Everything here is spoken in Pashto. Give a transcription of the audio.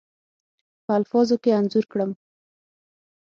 په الفاظو کې انځور کړم.